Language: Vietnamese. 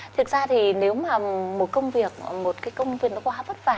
thực ra thì nếu mà một công việc một cái công viên nó quá vất vả